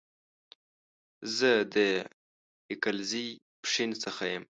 زه د هيکلزئ ، پښين سخه يم